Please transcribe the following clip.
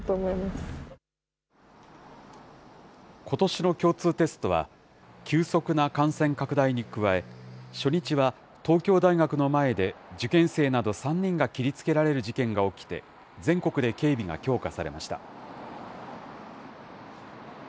ことしの共通テストは、急速な感染拡大に加え、初日は東京大学の前で受験生など３人が切りつけられる事件が起きて、全国で警備が強化されました。